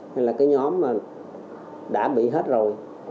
hay là cái nhóm mà đã bị hết rồi